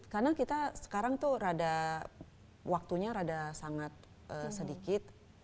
karena kita sekarang tuh rada waktunya rada sangat sedikit